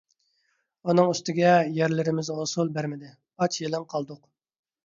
ئۇنىڭ ئۈستىگە، يەرلىرىمىز ھوسۇل بەرمىدى. ئاچ - يېلىڭ قالدۇق.